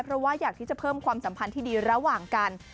เพราะว่าอยากที่จะเพิ่มความสัมพันธ์ที่ดีระหว่างกัน